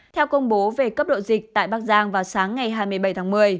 theo công bố về cấp độ dịch tại bắc giang vào sáng ngày hai mươi bảy tháng một mươi